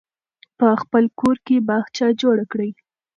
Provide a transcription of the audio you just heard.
په خپل کور کې باغچه جوړه کړئ.